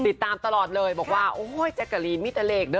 ติดตามตลอดเลยบอกว่าโอ้ยแจ๊กกะลีนมีแต่เลขเด้อ